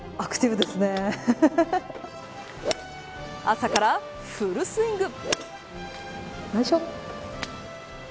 朝からフルスイング。